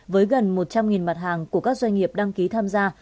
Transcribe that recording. với gần một trăm linh mặt hàng của các doanh nghiệp đăng ký tham gia